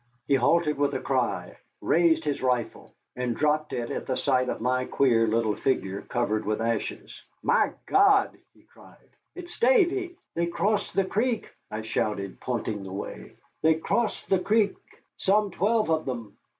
He halted with a cry, raised his rifle, and dropped it at the sight of my queer little figure covered with ashes. "My God!" he cried, "it's Davy." "They crossed the creek," I shouted, pointing the way, "they crossed the creek, some twelve of them."